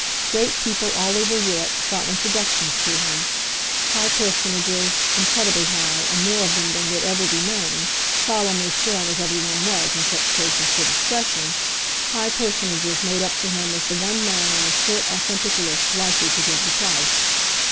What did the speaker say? Great people, all over Europe, sought introductions to him; high personages, incredibly high, and more of them than would ever be known, solemnly sworn as everyone was, in such cases, to discretion, high personages made up to him as the one man on the short authentic list likely to give the price.